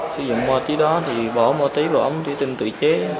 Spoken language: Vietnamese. sử dụng ma túy đó thì bỏ ma túy vào ống tủy tinh tự chế